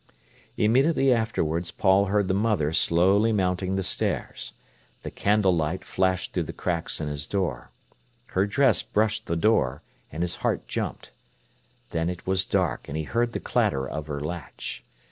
Immediately afterwards Paul heard the mother slowly mounting the stairs. The candlelight flashed through the cracks in his door. Her dress brushed the door, and his heart jumped. Then it was dark, and he heard the clatter of her latch.